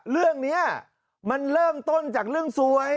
เรื่องนี้มันเริ่มต้นจากเรื่องสวย